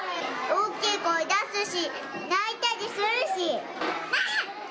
大きい声出すし泣いたりするし。